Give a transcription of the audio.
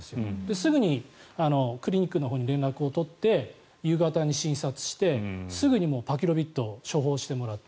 すぐにクリニックのほうに連絡を取って夕方に診察をしてすぐにパキロビットを処方してもらって。